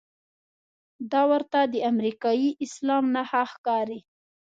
دا ورته د امریکايي اسلام نښه ښکاري.